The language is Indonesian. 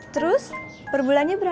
terus perbulannya berapa be